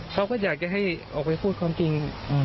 เขาก็อยากจะให้ออกไปพูดความจริง